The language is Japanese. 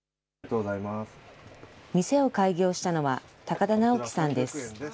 店を開業したのは、高田直樹さんです。